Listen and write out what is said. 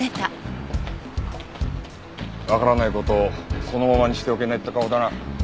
わからない事をそのままにしておけないって顔だな。